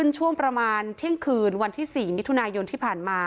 ช่วงประมาณเที่ยงคืนวันที่๔มิถุนายนที่ผ่านมา